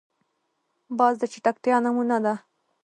باز د چټکتیا نمونه ده